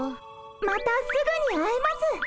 またすぐに会えます。